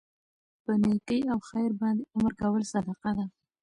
په نيکي او خیر باندي امر کول صدقه ده